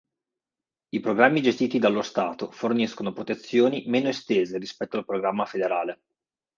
I programmi gestiti dallo stato forniscono protezioni meno estese rispetto al programma federale.